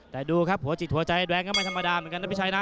แต่ดูครับหัวจิตหัวใจแดงก็ไม่ธรรมดาเหมือนกันนะพี่ชัยนะ